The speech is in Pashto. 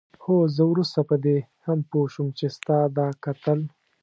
هو زه وروسته په دې هم پوه شوم چې ستا دا کتل.